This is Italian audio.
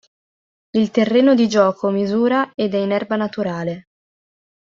Il terreno di gioco misura ed è in erba naturale.